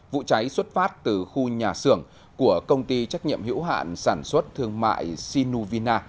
vụ cháy xuất phát từ khu nhà xưởng của công ty trách nhiệm hiểu hạn sản xuất thương mại sinuvina